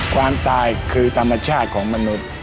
ความตายคือธรรมชาติของมนุษย์